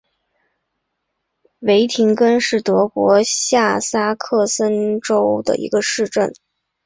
维廷根是德国下萨克森州的一个市镇。